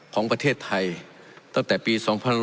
ของประเทศไทยตั้งแต่ปี๒๕๖๒